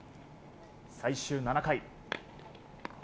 最終７回。